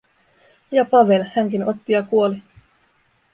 Ja Pavel, hänkin otti ja kuoli.